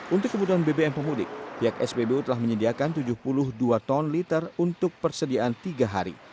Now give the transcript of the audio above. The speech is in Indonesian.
untuk kebutuhan bbm pemudik pihak spbu telah menyediakan tujuh puluh dua ton liter untuk persediaan tiga hari